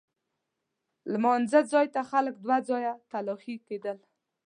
لمانځه ځای ته خلک دوه ځایه تلاښي کېدل.